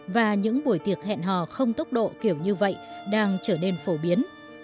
và những buổi tiệc hẹn hò không tốc độ kiểu như vậy đang trở nên phổ biến